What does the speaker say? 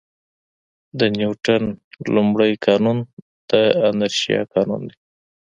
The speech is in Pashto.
د نیوټن لومړی قانون د انرشیا قانون دی.